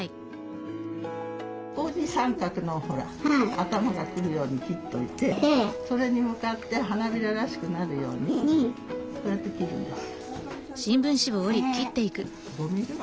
こういうふうに三角の頭が来るように切っといてそれに向かって花びららしくなるようにこうやって切るんです。